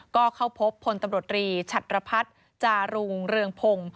ก็เข้าพบพลตำรวจรีฉัดระพัฒน์จารุงเรืองพงศ์